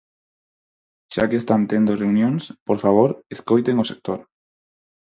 Xa que están tendo reunións, por favor, escoiten o sector.